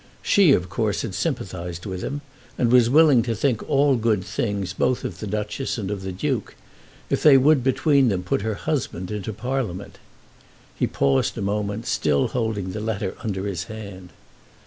She of course had sympathised with him, and was willing to think all good things both of the Duchess and of the Duke, if they would between them put her husband into Parliament. He paused a moment, still holding the letter under his hand.